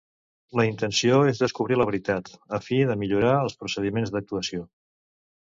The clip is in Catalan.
La intenció és descobrir la veritat, a fi de millorar els procediments d'actuació.